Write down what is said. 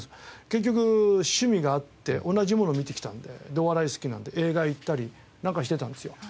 結局趣味が合って同じものを見てきたのででお笑い好きなので映画行ったりなんかしてたんですよ。